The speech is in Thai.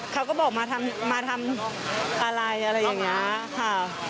เขาก็บอกมาทำอะไรอะไรอย่างนี้ค่ะ